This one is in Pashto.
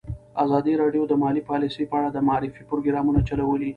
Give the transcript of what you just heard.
ازادي راډیو د مالي پالیسي په اړه د معارفې پروګرامونه چلولي.